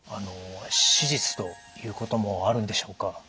手術ということもあるんでしょうか？